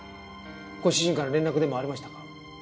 ご主人から連絡でもありましたか？